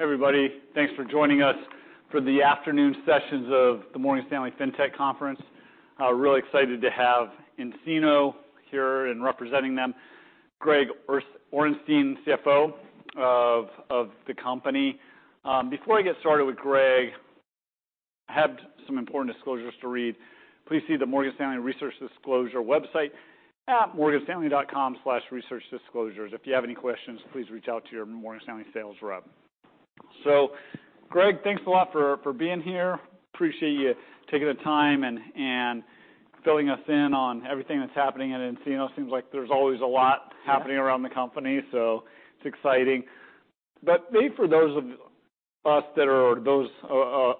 Hey, everybody. Thanks for joining us for the afternoon sessions of the Morgan Stanley FinTech Conference. Really excited to have nCino here, and representing them, Greg Orenstein, CFO of the company. Before I get started with Greg, I have some important disclosures to read. Please see the Morgan Stanley research disclosure website at morganstanley.com/researchdisclosures. If you have any questions, please reach out to your Morgan Stanley sales rep. Greg, thanks a lot for being here. Appreciate you taking the time and filling us in on everything that's happening at nCino. Seems like there's always a lot happening. Yeah around the company, so it's exciting. Maybe for those of us that are, or those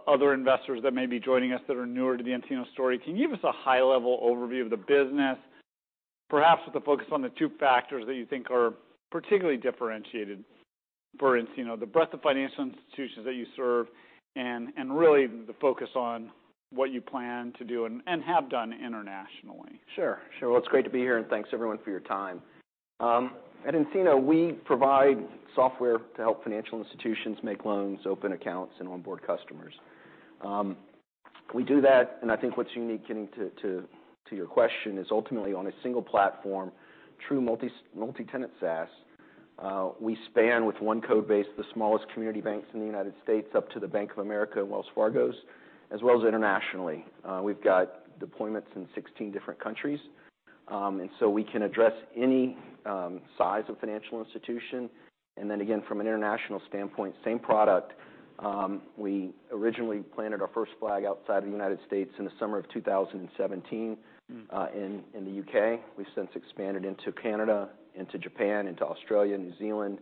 other investors that may be joining us that are newer to the nCino story, can you give us a high-level overview of the business, perhaps with the focus on the two factors that you think are particularly differentiated for nCino? The breadth of financial institutions that you serve, and really the focus on what you plan to do and have done internationally. Sure. Well, it's great to be here, and thanks, everyone, for your time. At nCino, we provide software to help financial institutions make loans, open accounts, and onboard customers. We do that, and I think what's unique, getting to your question, is ultimately on a single platform, true multi-tenant SaaS, we span with one code base, the smallest community banks in the United States, up to the Bank of America and Wells Fargos, as well as internationally. We've got deployments in 16 different countries. We can address any, size of financial institution. Again, from an international standpoint, same product. We originally planted our first flag outside of the United States in the summer of 2017. Mm-hmm in the UK We've since expanded into Canada, into Japan, into Australia, New Zealand,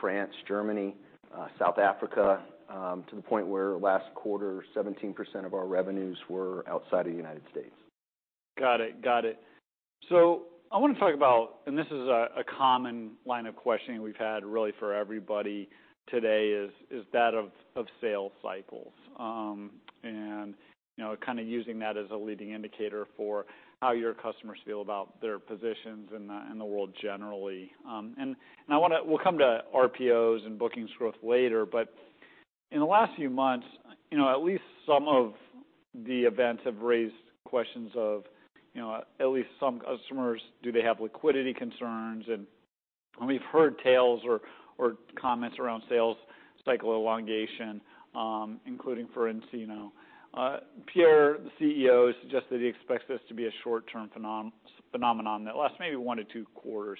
France, Germany, South Africa, to the point where last quarter, 17% of our revenues were outside of the United States. Got it. I want to talk about... This is a common line of questioning we've had really for everybody today, is that of sales cycles. You know, kind of using that as a leading indicator for how your customers feel about their positions in the world generally. And we'll come to RPOs and bookings growth later, but in the last few months, you know, at least some of the events have raised questions of, you know, at least some customers, do they have liquidity concerns? And we've heard tales or comments around sales cycle elongation, including for nCino. Pierre, the CEO, suggested he expects this to be a short-term phenomenon that lasts maybe one to two quarters.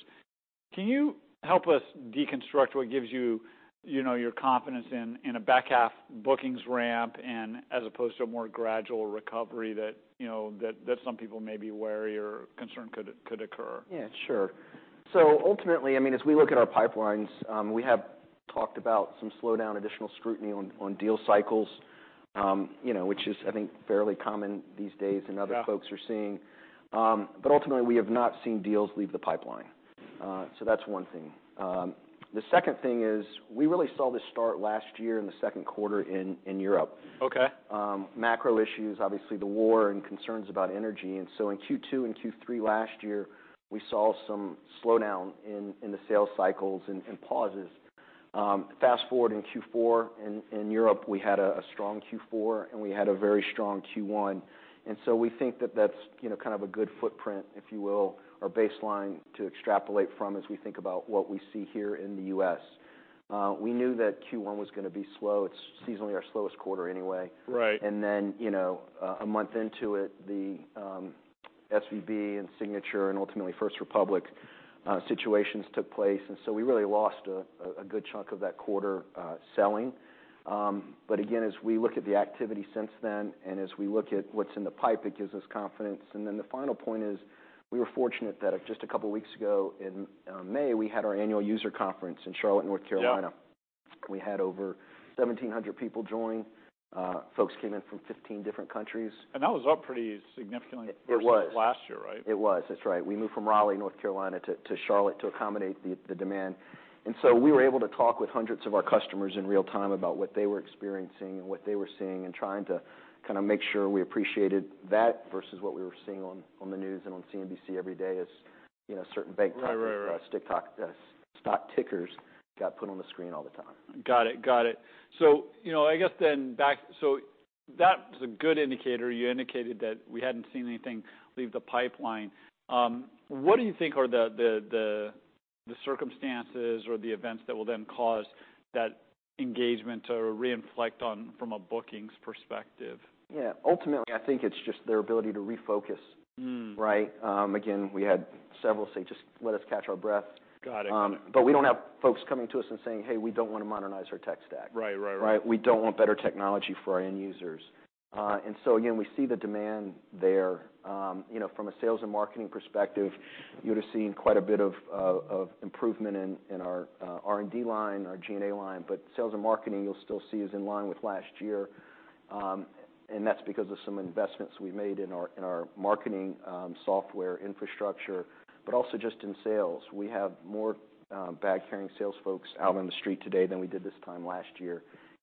Can you help us deconstruct what gives you know, your confidence in a back-half bookings ramp, and as opposed to a more gradual recovery that, you know, that some people may be wary or concerned could occur? Yeah, sure. Ultimately, I mean, as we look at our pipelines, we have talked about some slowdown, additional scrutiny on deal cycles, you know, which is, I think, fairly common these days. Yeah Other folks are seeing. Ultimately, we have not seen deals leave the pipeline. That's one thing. The second thing is, we really saw this start last year in the second quarter in Europe. Okay. Macro issues, obviously the war and concerns about energy. In Q2 and Q3 last year, we saw some slowdown in the sales cycles and pauses. Fast-forward in Q4, in Europe, we had a strong Q4, and we had a very strong Q1. We think that that's, you know, kind of a good footprint, if you will, or baseline to extrapolate from as we think about what we see here in the US. We knew that Q1 was going to be slow. It's seasonally our slowest quarter anyway. Right. Then, you know, a month into it, the SVB and Signature and ultimately First Republic situations took place, so we really lost a good chunk of that quarter selling. Again, as we look at the activity since then and as we look at what's in the pipe, it gives us confidence. Then the final point is, we were fortunate that just a couple of weeks ago, in May, we had our annual user conference in Charlotte, North Carolina. Yeah. We had over 1,700 people join. Folks came in from 15 different countries. That was up pretty significantly. It was versus last year, right? It was. That's right. We moved from Raleigh, North Carolina, to Charlotte to accommodate the demand. We were able to talk with hundreds of our customers in real time about what they were experiencing and what they were seeing, and trying to kind of make sure we appreciated that versus what we were seeing on the news and on CNBC every day, as, you know, certain bank stocks- Right, right.... stick stock tickers got put on the screen all the time. Got it. Got it. You know, I guess that was a good indicator. You indicated that we hadn't seen anything leave the pipeline. What do you think are the circumstances or the events that will then cause that engagement to re-inflect on from a bookings perspective? Yeah. Ultimately, I think it's just their ability to refocus. Mm. Right? again, we had several say: Just let us catch our breath. Got it. We don't have folks coming to us and saying, "Hey, we don't want to modernize our tech stack. Right, right. Right? "We don't want better technology for our end users." Again, we see the demand there. You know, from a sales and marketing perspective, you'd have seen quite a bit of improvement in our R&D line, our G&A line, sales and marketing, you'll still see is in line with last year. That's because of some investments we made in our marketing software infrastructure, but also just in sales. We have more bag-carrying sales folks out on the street today than we did this time last year,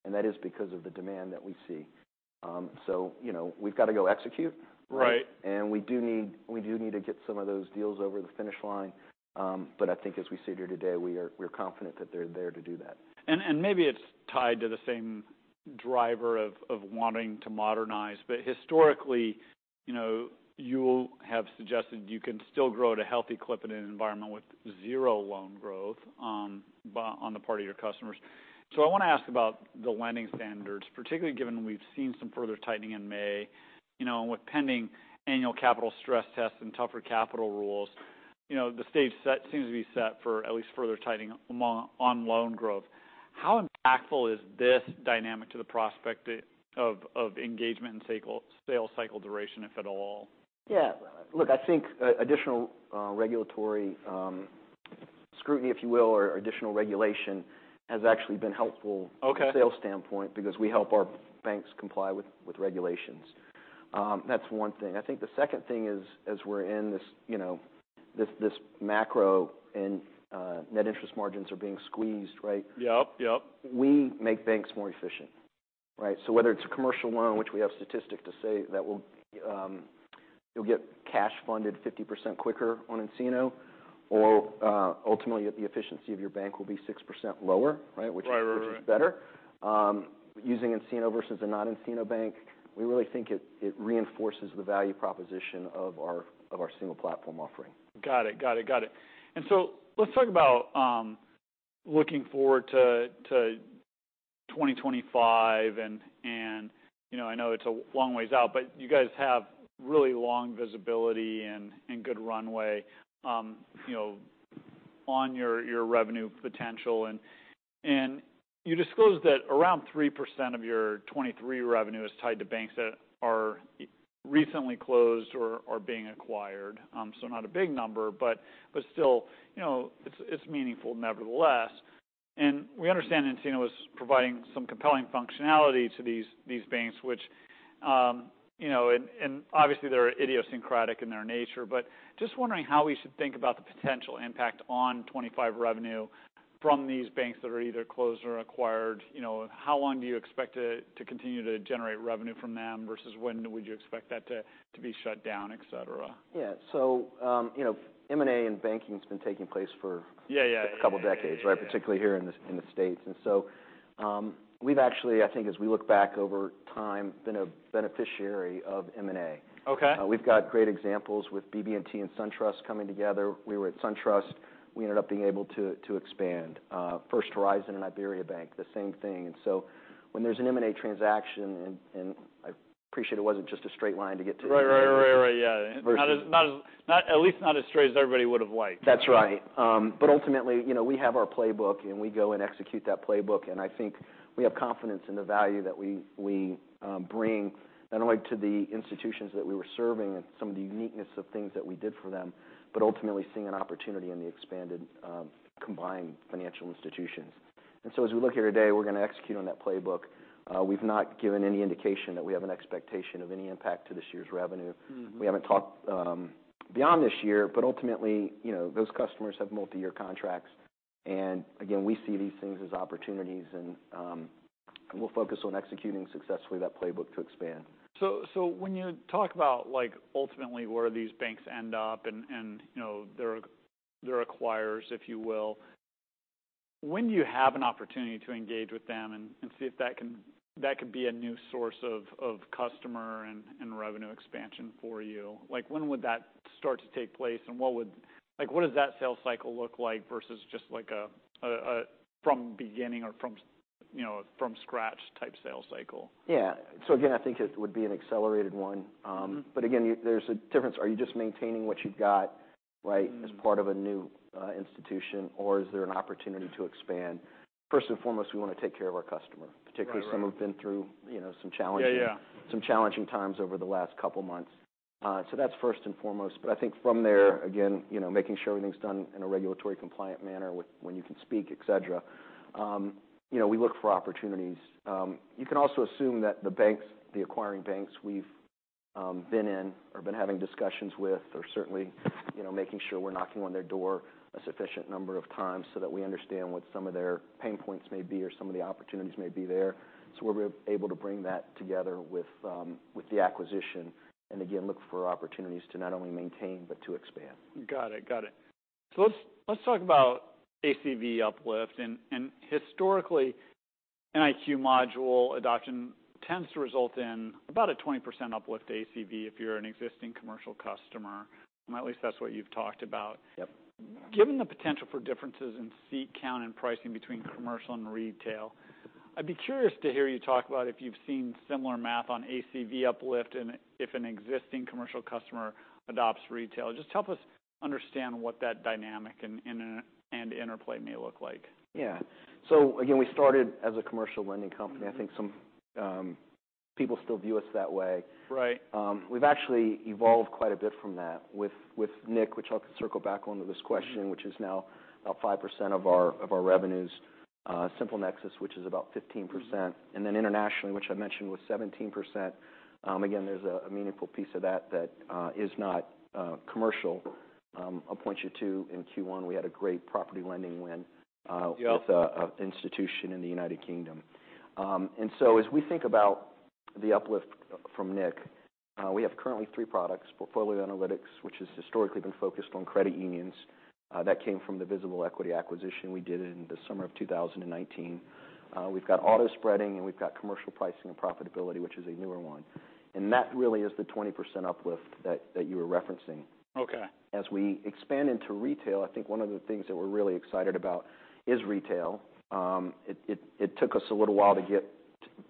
that is because of the demand that we see. You know, we've got to go execute. Right. We do need to get some of those deals over the finish line. But I think as we sit here today, we're confident that they're there to do that. Maybe it's tied to the same driver of wanting to modernize. Historically, you know, you will have suggested you can still grow at a healthy clip in an environment with zero loan growth on the part of your customers. I want to ask about the lending standards, particularly given we've seen some further tightening in May, you know, with pending annual capital stress tests and tougher capital rules, you know, the stage seems to be set for at least further tightening on loan growth. How impactful is this dynamic to the prospect of engagement and sale cycle duration, if at all? Look, I think additional regulatory scrutiny, if you will, or additional regulation has actually been helpful- Okay... from a sales standpoint because we help our banks comply with regulations. That's one thing. I think the second thing is, as we're in this, you know, this macro and net interest margins are being squeezed, right? Yep. Yep. We make banks more efficient, right? Whether it's a commercial loan, which we have statistic to say that we'll, you'll get cash funded 50% quicker on nCino, or, ultimately, the efficiency of your bank will be 6% lower, right? Right, right. Which is better. Using nCino versus a not nCino bank, we really think it reinforces the value proposition of our single platform offering. Got it. Got it. Got it. Let's talk about looking forward to 2025, and, you know, I know it's a long ways out, but you guys have really long visibility and good runway, you know, on your revenue potential. You disclosed that around 3% of your 2023 revenue is tied to banks that are recently closed or are being acquired. Not a big number, but still, you know, it's meaningful nevertheless. We understand nCino is providing some compelling functionality to these banks, which, you know, and obviously they're idiosyncratic in their nature. Just wondering how we should think about the potential impact on 2025 revenue from these banks that are either closed or acquired. You know, how long do you expect it to continue to generate revenue from them versus when would you expect that to be shut down, et cetera? Yeah. you know, M&A and banking has been taking place for- Yeah, yeah.... a couple of decades, right? Particularly here in the States. We've actually, I think, as we look back over time, been a beneficiary of M&A. Okay. We've got great examples with BB&T and SunTrust coming together. We were at SunTrust. We ended up being able to expand. First Horizon and IBERIABANK, the same thing. When there's an M&A transaction, and I appreciate it wasn't just a straight line to get to. Right, right, right. Yeah. Versus- At least not as straight as everybody would have liked. That's right. Ultimately, you know, we have our playbook, and we go and execute that playbook, and I think we have confidence in the value that we bring, not only to the institutions that we were serving and some of the uniqueness of things that we did for them, but ultimately seeing an opportunity in the expanded, combined financial institutions. As we look here today, we're going to execute on that playbook. We've not given any indication that we have an expectation of any impact to this year's revenue. Mm-hmm. We haven't talked, beyond this year, but ultimately, you know, those customers have multiyear contracts. Again, we see these things as opportunities, and we'll focus on executing successfully that playbook to expand. When you talk about like, ultimately where these banks end up and, you know, their acquirers, if you will, when do you have an opportunity to engage with them and see if that could be a new source of customer and revenue expansion for you? Like, when would that start to take place? Like, what does that sales cycle look like versus just like a from beginning or from, you know, from scratch type sales cycle? Yeah. Again, I think it would be an accelerated one. Again, there's a difference. Are you just maintaining what you've got, right, as part of a new, institution, or is there an opportunity to expand? First and foremost, we want to take care of our customer- Right, right. particularly some who've been through, you know, some challenging. Yeah, yeah.... some challenging times over the last couple of months. That's first and foremost. I think from there, again, you know, making sure everything's done in a regulatory compliant manner with when you can speak, et cetera, you know, we look for opportunities. You can also assume that the banks, the acquiring banks we've been in or been having discussions with, are certainly, you know, making sure we're knocking on their door a sufficient number of times so that we understand what some of their pain points may be or some of the opportunities may be there. We're able to bring that together with the acquisition, and again, look for opportunities to not only maintain but to expand. Got it. Got it. Let's talk about ACV uplift. Historically, nIQ module adoption tends to result in about a 20% uplift to ACV if you're an existing commercial customer. At least that's what you've talked about. Yep. Given the potential for differences in seat count and pricing between commercial and retail, I'd be curious to hear you talk about if you've seen similar math on ACV uplift and if an existing commercial customer adopts retail. Just help us understand what that dynamic and interplay may look like. Yeah. Again, we started as a commercial lending company. I think some people still view us that way. Right. We've actually evolved quite a bit from that with nIQ, which I'll circle back onto this question, which is now about 5% of our, of our revenues, SimpleNexus, which is about 15%, and then internationally, which I mentioned, was 17%. Again, there's a meaningful piece of that that is not commercial. I'll point you to in Q1, we had a great property lending win. Yep... with a institution in the United Kingdom. As we think about the uplift from nIQ... we have currently three products: Portfolio Analytics, which has historically been focused on credit unions. That came from the Visible Equity acquisition we did in the summer of 2019. We've got Automated Spreading, and we've got Commercial Pricing and Profitability, which is a newer one, and that really is the 20% uplift that you were referencing. Okay. As we expand into retail, I think one of the things that we're really excited about is retail. It took us a little while to get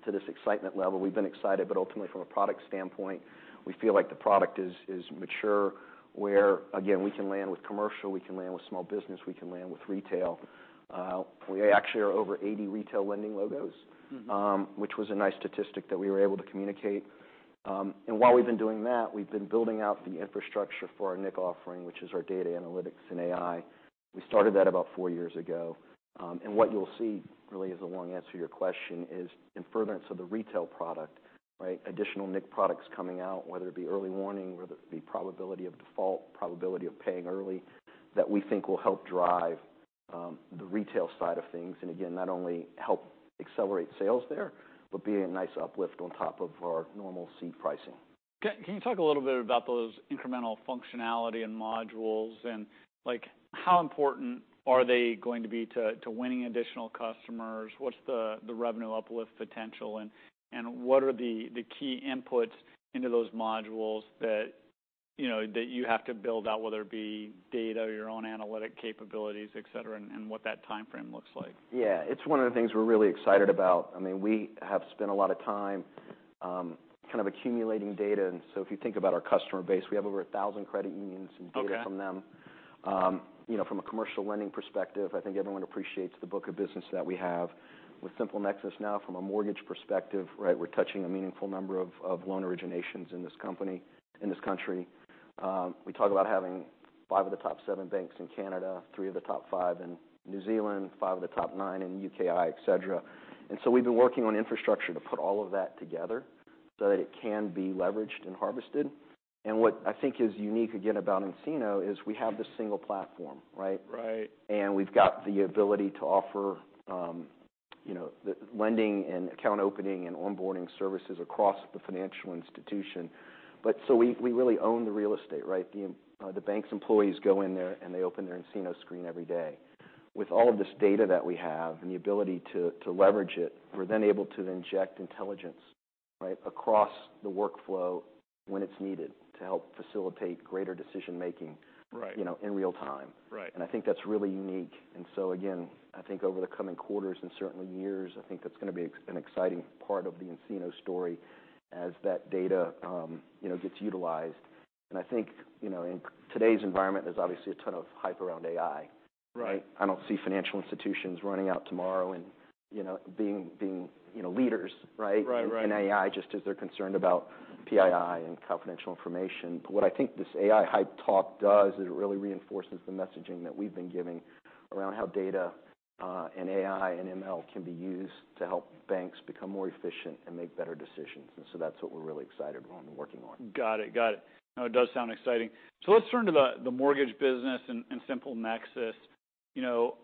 to this excitement level. We've been excited, but ultimately, from a product standpoint, we feel like the product is mature, where, again, we can land with commercial, we can land with small business, we can land with retail. We actually are over 80 retail lending logos- Mm-hmm. Which was a nice statistic that we were able to communicate. While we've been doing that, we've been building out the infrastructure for our nIQ offering, which is our Data Analytics and AI. We started that about 4 years ago. What you'll see, really as a long answer to your question, is in furtherance of the retail product, right, additional nIQ products coming out, whether it be Early Warning, whether it be probability of default, probability of paying early, that we think will help drive the retail side of things, and again, not only help accelerate sales there, but be a nice uplift on top of our normal seed pricing. Can you talk a little bit about those incremental functionality and modules, and, like, how important are they going to be to winning additional customers? What's the revenue uplift potential, and what are the key inputs into those modules that, you know, that you have to build out, whether it be data or your own analytic capabilities, et cetera, and what that timeframe looks like? Yeah. It's one of the things we're really excited about. I mean, we have spent a lot of time, kind of accumulating data. If you think about our customer base, we have over 1,000 credit unions. Okay. data from them. You know, from a commercial lending perspective, I think everyone appreciates the book of business that we have. With SimpleNexus now, from a mortgage perspective, right, we're touching a meaningful number of loan originations in this country. We talk about having five of the top seven banks in Canada, three of the top five in New Zealand, five of the top nine in UKI, et cetera. We've been working on infrastructure to put all of that together so that it can be leveraged and harvested. What I think is unique, again, about nCino is we have this single platform, right? Right. We've got the ability to offer, you know, the lending and account opening and onboarding services across the financial institution. We, we really own the real estate, right? The bank's employees go in there, and they open their nCino screen every day. With all of this data that we have and the ability to leverage it, we're then able to inject intelligence, right, across the workflow when it's needed, to help facilitate greater decision-making. Right you know, in real time. Right. I think that's really unique. Again, I think over the coming quarters and certainly years, I think that's gonna be an exciting part of the nCino story as that data, you know, gets utilized. I think, you know, in today's environment, there's obviously a ton of hype around AI. Right. I don't see financial institutions running out tomorrow and, you know, being, you know, leaders, right? Right. Right. In AI, just as they're concerned about PII and confidential information. What I think this AI hype talk does is it really reinforces the messaging that we've been giving around how data, and AI and ML can be used to help banks become more efficient and make better decisions. That's what we're really excited on, working on. Got it. Got it. No, it does sound exciting. Let's turn to the mortgage business and SimpleNexus. You know,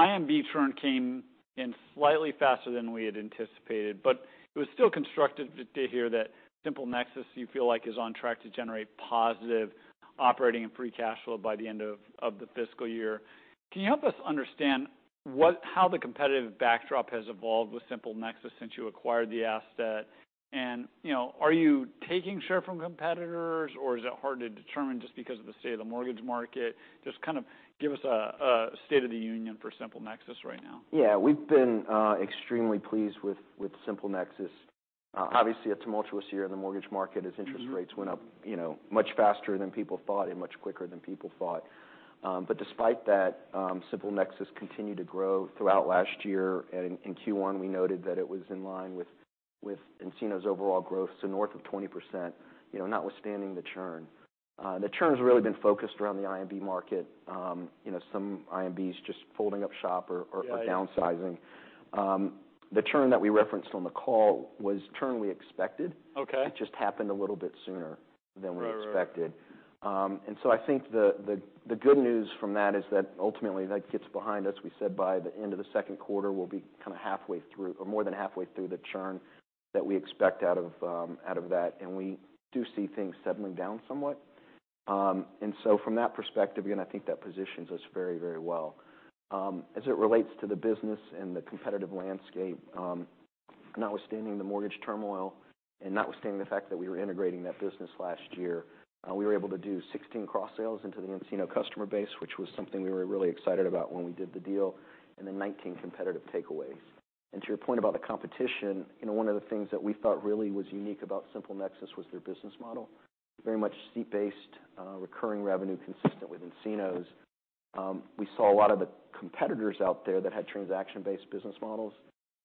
IMB churn came in slightly faster than we had anticipated, but it was still constructive to hear that SimpleNexus, you feel like, is on track to generate positive operating and free cash flow by the end of the fiscal year. Can you help us understand how the competitive backdrop has evolved with SimpleNexus since you acquired the asset? You know, are you taking share from competitors, or is it hard to determine just because of the state of the mortgage market? Just kind of give us a state of the union for SimpleNexus right now. Yeah. We've been extremely pleased with SimpleNexus. Obviously, a tumultuous year in the mortgage market. Mm-hmm. as interest rates went up, you know, much faster than people thought and much quicker than people thought. Despite that, SimpleNexus continued to grow throughout last year, and in Q1, we noted that it was in line with nCino's overall growth, so north of 20%, you know, notwithstanding the churn. The churn has really been focused around the IMB market. You know, some IMBs just folding up shop or. Yeah... downsizing. The churn that we referenced on the call was churn we expected. Okay. It just happened a little bit sooner than we expected. Right. Right. I think the good news from that is that ultimately, that gets behind us. We said by the end of the second quarter, we'll be kind of halfway through or more than halfway through the churn that we expect out of that, and we do see things settling down somewhat. From that perspective, again, I think that positions us very, very well. As it relates to the business and the competitive landscape, notwithstanding the mortgage turmoil and notwithstanding the fact that we were integrating that business last year, we were able to do 16 cross-sales into the nCino customer base, which was something we were really excited about when we did the deal, and then 19 competitive takeaways. To your point about the competition, you know, one of the things that we thought really was unique about SimpleNexus was their business model. Very much seat-based, recurring revenue, consistent with nCino's. We saw a lot of the competitors out there that had transaction-based business models,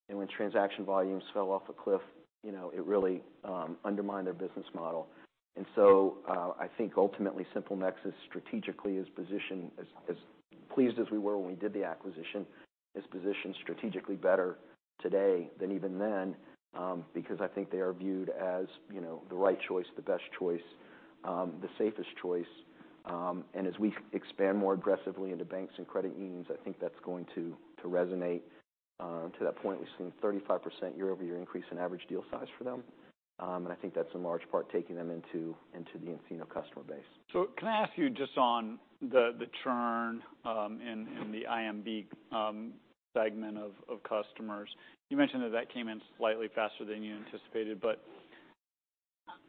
and when transaction volumes fell off a cliff, you know, it really undermined their business model. I think ultimately, SimpleNexus strategically is positioned as pleased as we were when we did the acquisition, is positioned strategically better today than even then, because I think they are viewed as, you know, the right choice, the best choice. The safest choice. As we expand more aggressively into banks and credit unions, I think that's going to resonate. To that point, we've seen 35% year-over-year increase in average deal size for them. I think that's in large part, taking them into the nCino customer base. Can I ask you just on the churn, and the IMB segment of customers. You mentioned that came in slightly faster than you anticipated, but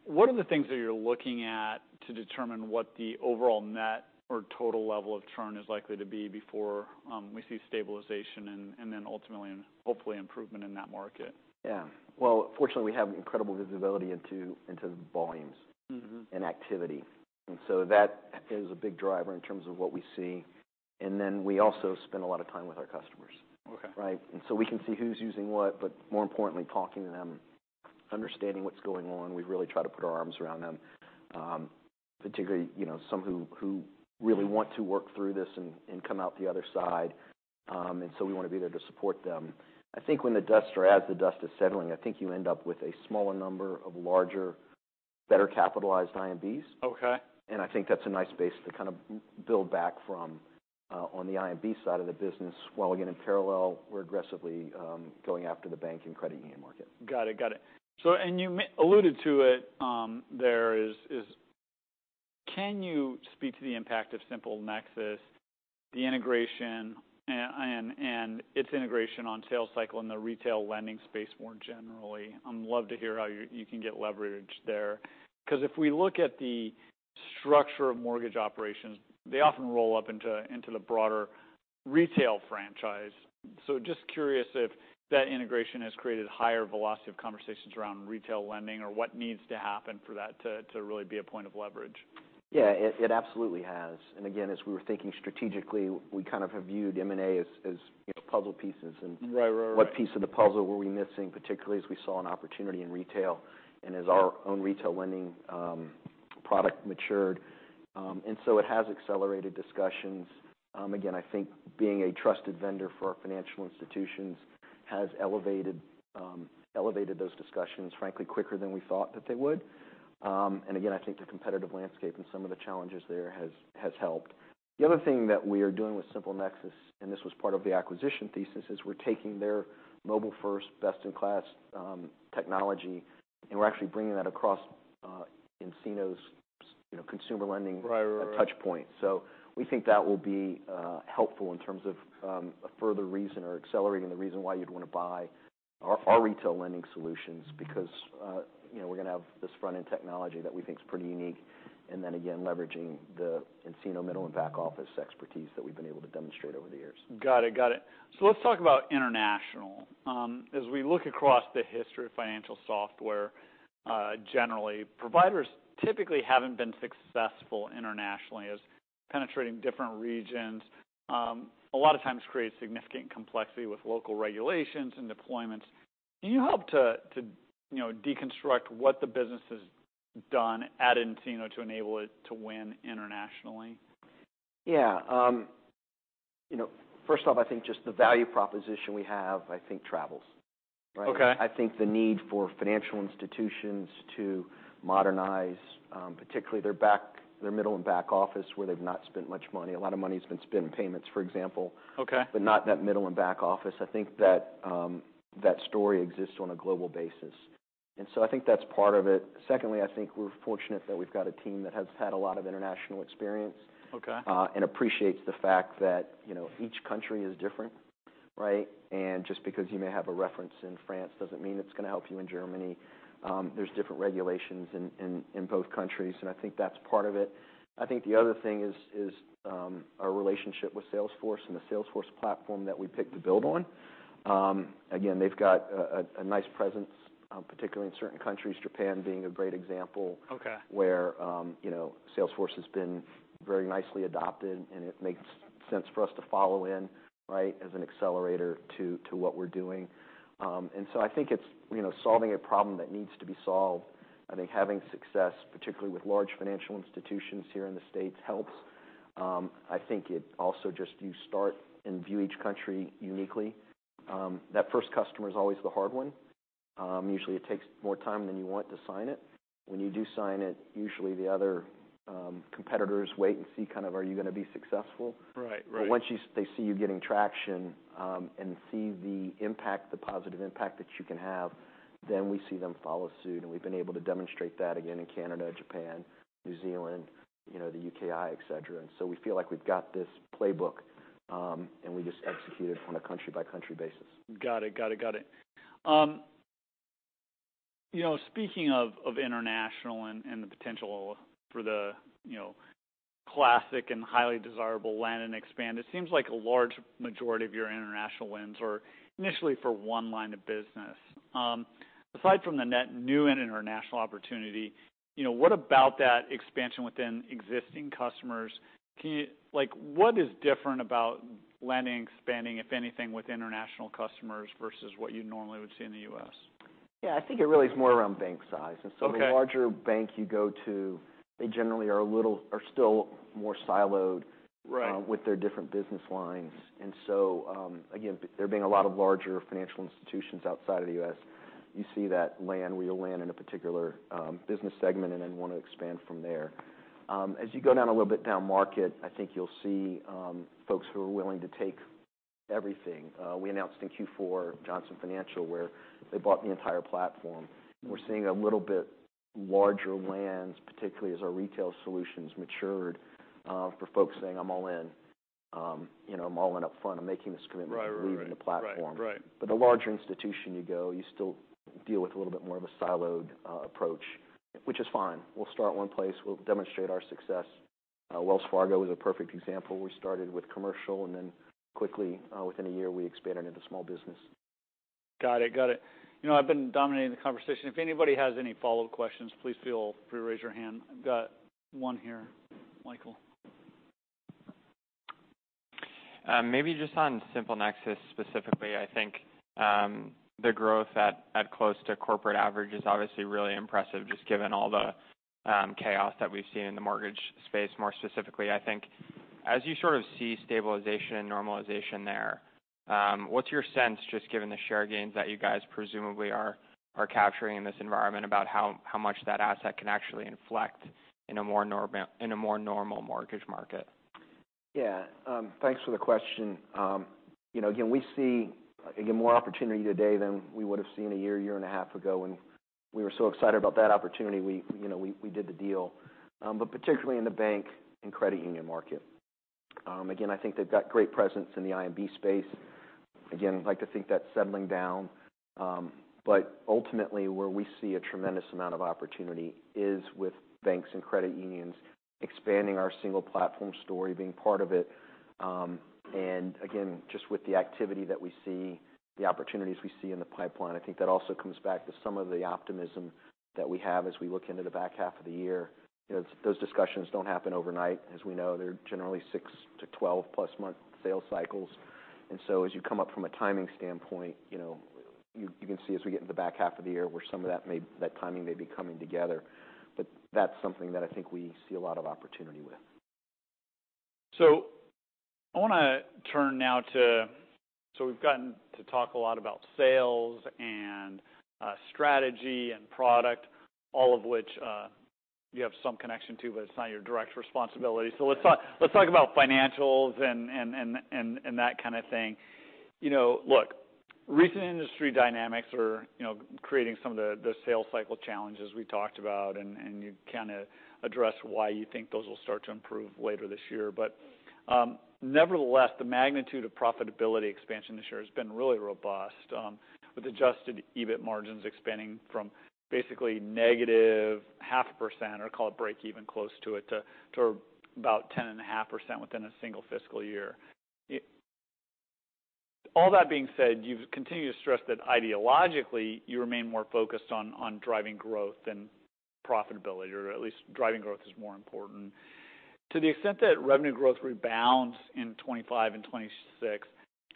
what are the things that you're looking at to determine what the overall net or total level of churn is likely to be before we see stabilization and then ultimately and hopefully, improvement in that market? Yeah. Well, fortunately, we have incredible visibility into the volumes. Mm-hmm activity, and so that is a big driver in terms of what we see. Then we also spend a lot of time with our customers. Okay. Right? We can see who's using what, but more importantly, talking to them, understanding what's going on. We really try to put our arms around them, particularly, you know, some who really want to work through this and come out the other side. We want to be there to support them. I think when the dust or as the dust is settling, I think you end up with a smaller number of larger, better capitalized IMBs. Okay. I think that's a nice base to kind of build back from on the IMB side of the business, while again, in parallel, we're aggressively going after the bank and credit union market. Got it. Got it. You alluded to it, there is... Can you speak to the impact of SimpleNexus, the integration, and its integration on sales cycle in the retail lending space more generally? I'd love to hear how you can get leverage there. 'Cause if we look at the structure of mortgage operations, they often roll up into the broader retail franchise. Just curious if that integration has created higher velocity of conversations around retail lending, or what needs to happen for that to really be a point of leverage. Yeah, it absolutely has. Again, as we were thinking strategically, we kind of have viewed M&A as, you know, puzzle pieces. Right. Right, right what piece of the puzzle were we missing, particularly as we saw an opportunity in retail and as our own retail lending, product matured. It has accelerated discussions. Again, I think being a trusted vendor for our financial institutions has elevated those discussions, frankly, quicker than we thought that they would. Again, I think the competitive landscape and some of the challenges there has helped. The other thing that we are doing with SimpleNexus, and this was part of the acquisition thesis, is we're taking their mobile-first, best-in-class, technology, and we're actually bringing that across, nCino's, you know, consumer lending- Right. Right, right touchpoint. We think that will be helpful in terms of a further reason or accelerating the reason why you'd want to buy our retail lending solutions, because, you know, we're gonna have this front-end technology that we think is pretty unique, and then again, leveraging the nCino middle and back office expertise that we've been able to demonstrate over the years. Got it. Got it. Let's talk about international. As we look across the history of financial software, generally, providers typically haven't been successful internationally, as penetrating different regions, a lot of times creates significant complexity with local regulations and deployments. Can you help to, you know, deconstruct what the business has done at nCino to enable it to win internationally? Yeah. you know, first off, I think just the value proposition we have, I think, travels. Right? Okay. I think the need for financial institutions to modernize, particularly their middle and back office, where they've not spent much money. A lot of money has been spent in payments, for example. Okay. Not in that middle and back office. I think that story exists on a global basis, and so I think that's part of it. Secondly, I think we're fortunate that we've got a team that has had a lot of international experience. Okay and appreciates the fact that, you know, each country is different, right? Just because you may have a reference in France, doesn't mean it's gonna help you in Germany. There's different regulations in, in both countries, and I think that's part of it. I think the other thing is, our relationship with Salesforce and the Salesforce platform that we picked to build on. Again, they've got a nice presence, particularly in certain countries, Japan being a great example. Okay... where, you know, Salesforce has been very nicely adopted, and it makes sense for us to follow in, right, as an accelerator to what we're doing. I think it's, you know, solving a problem that needs to be solved. I think having success, particularly with large financial institutions here in the States, helps. I think it also just you start and view each country uniquely. That first customer is always the hard one. Usually, it takes more time than you want to sign it. When you do sign it, usually the other, competitors wait and see kind of, are you gonna be successful? Right. Right. Once they see you getting traction, and see the impact, the positive impact that you can have, then we see them follow suit, and we've been able to demonstrate that again in Canada, Japan, New Zealand, you know, the UKI, et cetera. We feel like we've got this playbook, and we just execute it on a country-by-country basis. Got it. Got it. Got it. You know, speaking of international and the potential for the, you know, classic and highly desirable land and expand, it seems like a large majority of your international wins are initially for one line of business. Aside from the net new and international opportunity, you know, what about that expansion within existing customers? Like, what is different about lending, expanding, if anything, with international customers versus what you normally would see in the US? Yeah, I think it really is more around bank size. Okay. The larger bank you go to, they generally are still more siloed. Right... with their different business lines. Again, there being a lot of larger financial institutions outside of the US, you see that land, where you'll land in a particular business segment and then want to expand from there. As you go down a little bit down market, I think you'll see folks who are willing to take everything. We announced in Q4 Johnson Financial, where they bought the entire platform. We're seeing a little bit larger lands, particularly as our retail solutions matured, for folks saying, "I'm all in." you know, I'm all in up front. I'm making this commitment-. Right. Right, right. believing in the platform. Right. Right. The larger institution you go, you still deal with a little bit more of a siloed approach, which is fine. We'll start one place. We'll demonstrate our success. Wells Fargo is a perfect example. We started with commercial, and then quickly, within a year, we expanded into small business. Got it. You know, I've been dominating the conversation. If anybody has any follow-up questions, please feel free to raise your hand. I've got one here, Michael. Maybe just on SimpleNexus specifically, I think, the growth at close to corporate average is obviously really impressive, just given all the chaos that we've seen in the mortgage space. More specifically, I think, as you sort of see stabilization and normalization there, what's your sense, just given the share gains that you guys presumably are capturing in this environment, about how much that asset can actually inflect in a more normal mortgage market? Yeah, thanks for the question. You know, again, we see, again, more opportunity today than we would have seen a year and a half ago, when we were so excited about that opportunity, we, you know, we did the deal. Particularly in the bank and credit union market. Again, I think they've got great presence in the IMB space. Again, I'd like to think that's settling down. Ultimately, where we see a tremendous amount of opportunity is with banks and credit unions, expanding our single platform story, being part of it. Again, just with the activity that we see, the opportunities we see in the pipeline, I think that also comes back to some of the optimism that we have as we look into the back half of the year. You know, those discussions don't happen overnight. As we know, they're generally six to 12-plus-month sales cycles. As you come up from a timing standpoint, you know, you can see as we get into the back half of the year, where some of that timing may be coming together. That's something that I think we see a lot of opportunity with. I want to turn now to... We've gotten to talk a lot about sales and strategy and product, all of which you have some connection to, but it's not your direct responsibility. Let's talk about financials and that kind of thing. You know, look, recent industry dynamics are, you know, creating some of the sales cycle challenges we talked about, and you kind of address why you think those will start to improve later this year. Nevertheless, the magnitude of profitability expansion this year has been really robust, with adjusted EBIT margins expanding from basically negative half a percent, or call it break even close to it, to about 10.5% within a single fiscal year. All that being said, you've continued to stress that ideologically, you remain more focused on driving growth than profitability, or at least driving growth is more important. To the extent that revenue growth rebounds in 25 and 26,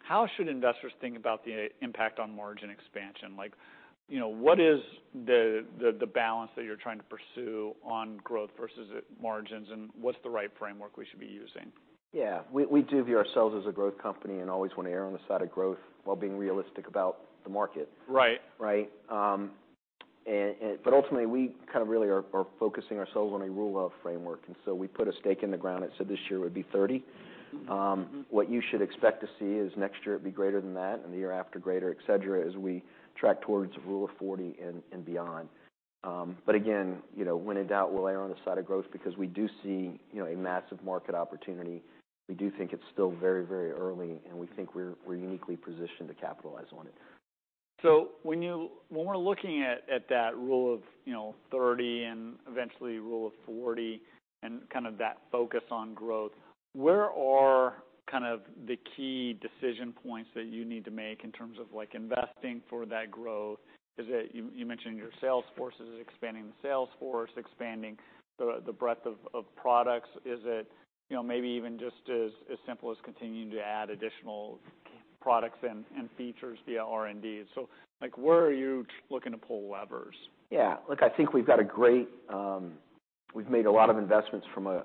how should investors think about the impact on margin expansion? Like, you know, what is the balance that you're trying to pursue on growth versus margins, and what's the right framework we should be using? Yeah, we do view ourselves as a growth company and always want to err on the side of growth while being realistic about the market. Right. Right. and but ultimately, we kind of really are focusing ourselves on a Rule of framework, and so we put a stake in the ground and said this year would be 30. what you should expect to see is next year, it'd be greater than that, and the year after greater, et cetera, as we track towards Rule of 40 and beyond. again, you know, when in doubt, we'll err on the side of growth because we do see, you know, a massive market opportunity. We do think it's still very, very early, and we think we're uniquely positioned to capitalize on it. When we're looking at that Rule of, you know, 30 and eventually Rule of 40, and kind of that focus on growth, where are kind of the key decision points that you need to make in terms of, like, investing for that growth? You mentioned your sales forces, expanding the sales force, expanding the breadth of products. Is it, you know, maybe even just as simple as continuing to add additional products and features via R&D? Like, where are you looking to pull levers? Yeah. Look, I think we've got a great, we've made a lot of investments from a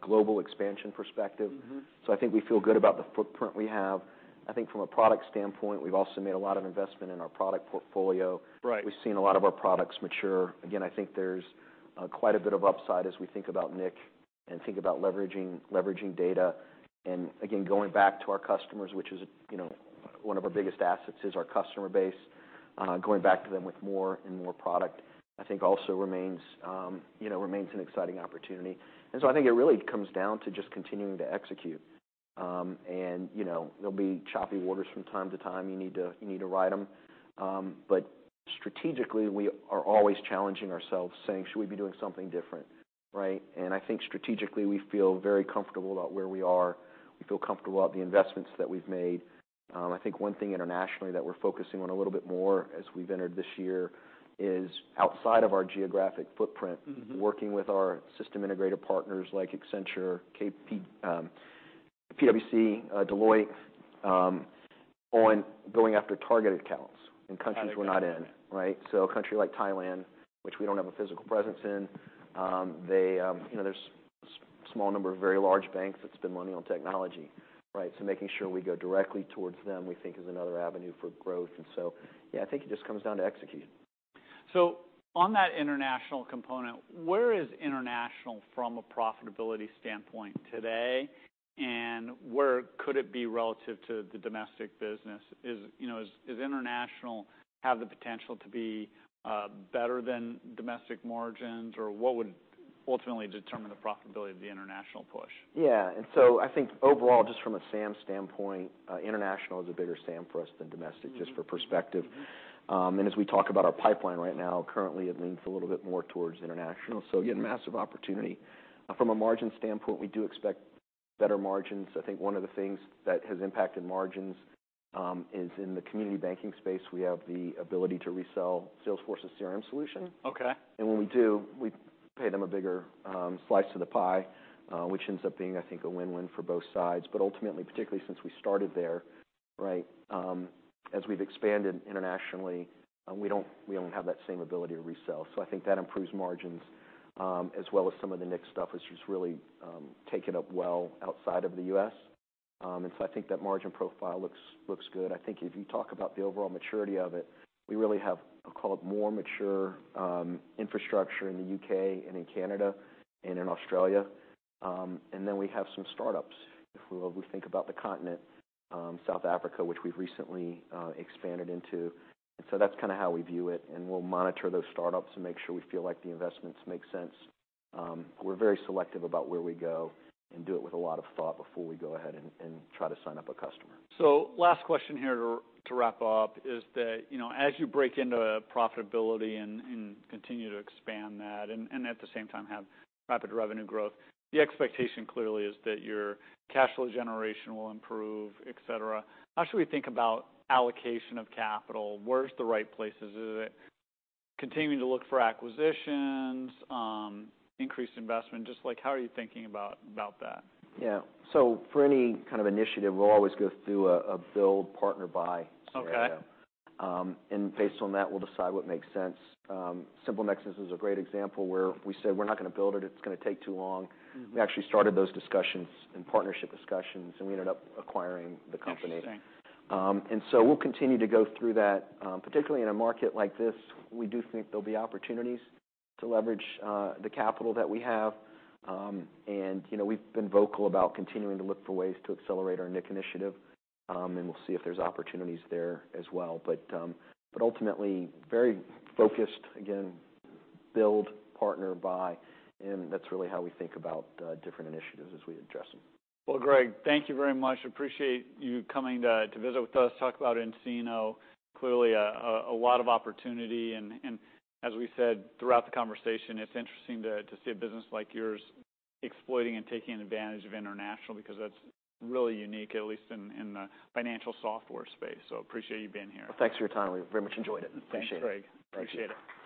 global expansion perspective. Mm-hmm. I think we feel good about the footprint we have. I think from a product standpoint, we've also made a lot of investment in our product portfolio. Right. We've seen a lot of our products mature. Again, I think there's, quite a bit of upside as we think about nIQ and think about leveraging data. Going back to our customers, which is, you know, one of our biggest assets is our customer base. Going back to them with more and more product, I think, also remains, you know, remains an exciting opportunity. So I think it really comes down to just continuing to execute. There'll be choppy waters from time to time. You need to ride them. Strategically, we are always challenging ourselves, saying: Should we be doing something different, right? I think strategically, we feel very comfortable about where we are. We feel comfortable about the investments that we've made. I think one thing internationally that we're focusing on a little bit more as we've entered this year is outside of our geographic footprint. Mm-hmm. working with our system integrator partners like Accenture, KPMG, PwC, Deloitte, on going after targeted accounts in countries we're not in. Right. A country like Thailand, which we don't have a physical presence in, they, you know, small number of very large banks that spend money on technology, right? Making sure we go directly towards them, we think is another avenue for growth. Yeah, I think it just comes down to executing. On that international component, where is international from a profitability standpoint today, and where could it be relative to the domestic business? Is, you know, is international have the potential to be better than domestic margins, or what would ultimately determine the profitability of the international push? I think overall, just from a SAM standpoint, international is a bigger SAM for us than domestic, just for perspective. As we talk about our pipeline right now, currently, it leans a little bit more towards international. Again, massive opportunity. From a margin standpoint, we do expect better margins. I think one of the things that has impacted margins, is in the community banking space, we have the ability to resell Salesforce's CRM solution. Okay. When we do, we pay them a bigger slice of the pie, which ends up being, I think, a win-win for both sides. Ultimately, particularly since we started there, right, as we've expanded internationally, and we don't have that same ability to resell. I think that improves margins, as well as some of the nIQ stuff, which is really taken up well outside of the US, I think that margin profile looks good. I think if you talk about the overall maturity of it, we really have, I'll call it, more mature infrastructure in the UK and in Canada and in Australia. Then we have some startups. If we think about the continent, South Africa, which we've recently expanded into. That's kind of how we view it, and we'll monitor those startups and make sure we feel like the investments make sense. We're very selective about where we go, and do it with a lot of thought before we go ahead and try to sign up a customer. Last question here to wrap up is that, you know, as you break into profitability and continue to expand that, and at the same time have rapid revenue growth, the expectation, clearly, is that your cash flow generation will improve, et cetera. How should we think about allocation of capital? Where's the right places? Is it continuing to look for acquisitions, increased investment? Just like, how are you thinking about that? Yeah. For any kind of initiative, we'll always go through a build, partner, buy scenario. Okay. Based on that, we'll decide what makes sense. SimpleNexus is a great example where we said: We're not gonna build it. It's gonna take too long. Mm-hmm. We actually started those discussions and partnership discussions, and we ended up acquiring the company. Interesting. We'll continue to go through that. Particularly in a market like this, we do think there'll be opportunities to leverage the capital that we have. You know, we've been vocal about continuing to look for ways to accelerate our nIQ initiative, and we'll see if there's opportunities there as well. But ultimately, very focused, again, build, partner, buy, and that's really how we think about different initiatives as we address them. Well, Greg, thank you very much. Appreciate you coming to visit with us, talk about nCino. Clearly, a lot of opportunity, and as we said throughout the conversation, it's interesting to see a business like yours exploiting and taking advantage of international, because that's really unique, at least in the financial software space. Appreciate you being here. Thanks for your time. We very much enjoyed it. Appreciate it. Thanks, Greg. Appreciate it.